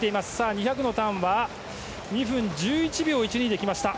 ２００のターンは２分１１秒１２で来ました。